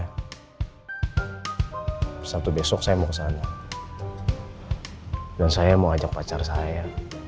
tolong ke mama saya satu besok saya mau ke sana dan saya mau ajak pacar saya